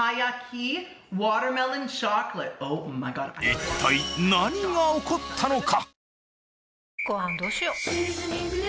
一体何が起こったのか？